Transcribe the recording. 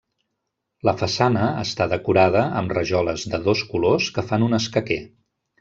La façana està decorada amb rajoles de dos colors que fan un escaquer.